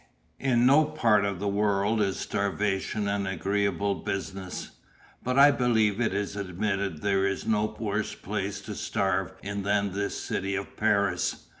In no part of the world is starvation an agreeable business; but I believe it is admitted there is no worse place to starve in than this city of Paris.